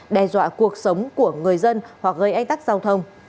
đe dọa cuộc sống của người dân hoặc gây ách tắc giao thông